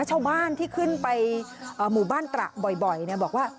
ชาวบ้านที่ขึ้นไปหมู่บ้านตระบ่อยบอกว่า